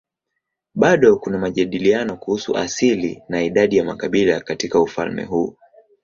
Bado kuna majadiliano kuhusu asili na idadi ya makabila katika ufalme huu.